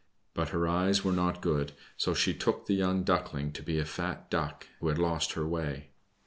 But her eyes were not good, so she took the young Duckling to be a fat Duck who had lost her way.